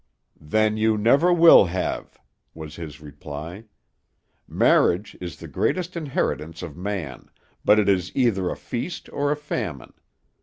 "Then you never will have," was his reply. "Marriage is the greatest inheritance of man, but it is either a feast or a famine.